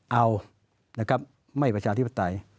เอาก็ไม่ประชาธิปไต